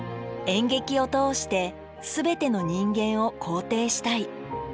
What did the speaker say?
「演劇を通して全ての人間を肯定したい」。